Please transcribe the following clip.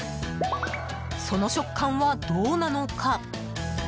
その食感はどうなのか？